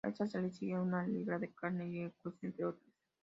A esta le siguieron "Una libra de carne" y "Equus", entre otras.